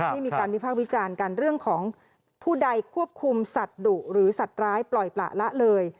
มีการวิพากษ์วิจารณ์กันเรื่องของผู้ใดควบคุมสัตว์ดุหรือสัตว์ร้ายปล่อยปละละเลย